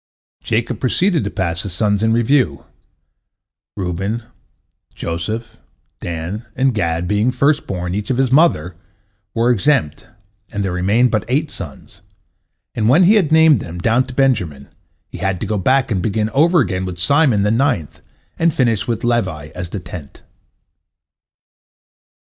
Jacob proceeded to pass his sons in review: Reuben, Joseph, Dan, and Gad being the first born, each of his mother, were exempt, and there remained but eight sons, and when he had named them, down to Benjamin, he had to go back and begin over again with Simon, the ninth, and finish with Levi as the tenth.